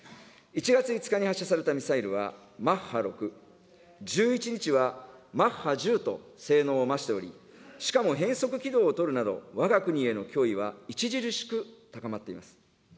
１月５日に発射されたミサイルは、マッハ６、１１日はマッハ１０と性能を増しており、しかも変則軌道を取るなど、わが国への脅威は著しく高まっています。